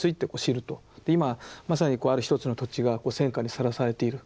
今まさにある一つの土地が戦火にさらされている。